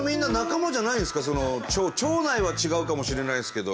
町内は違うかもしれないですけど。